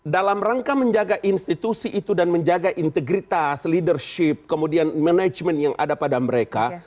dalam rangka menjaga institusi itu dan menjaga integritas leadership kemudian management yang ada pada mereka